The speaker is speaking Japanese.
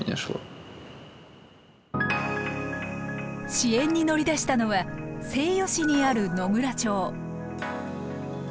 支援に乗り出したのは西予市にある野村町。